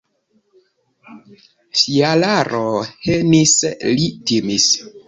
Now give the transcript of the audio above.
Fjalaro henis, li timis.